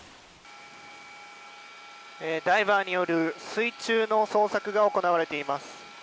ダイバーによる水中の捜索が行われています。